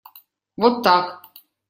Вот так.